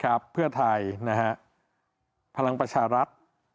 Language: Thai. เพื่อไทยนะฮะพลังประชารัฐ